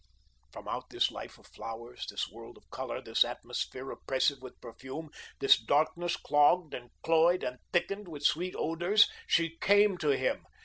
From out this life of flowers, this world of colour, this atmosphere oppressive with perfume, this darkness clogged and cloyed, and thickened with sweet odours, she came to him.